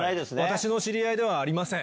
私の知り合いではありません。